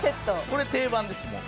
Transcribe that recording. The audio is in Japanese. これ定番ですもう。